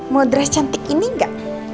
mau dress cantik ini gak